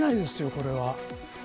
これは。